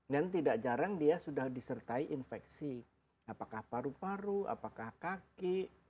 dan tidak jarang dia sudah disertai infeksi apakah paru paru apakah kaki